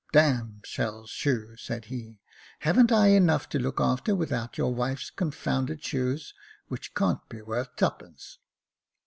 ' D — n Sail's shoe,' said he, ' haven't I enough to look after without your wife's confounded shoes, which can't be worth twopence